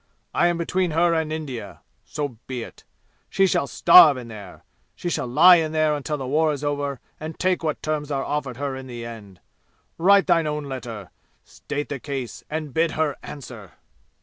I am between her and India. So be it. She shall starve in there! She shall lie in there until the war is over and take what terms are offered her in the end! Write thine own letter! State the case, and bid her answer!"